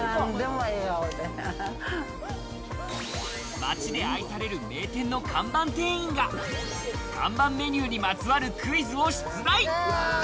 街で愛される名店の看板店員が看板メニューにまつわるクイズを出題。